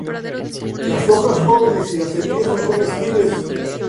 Las hojas jóvenes y las semillas son comestibles.